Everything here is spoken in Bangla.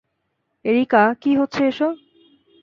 এরিকা, কী হচ্ছে এসব?